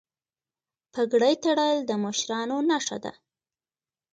پګړۍ تړل د مشرانو نښه ده.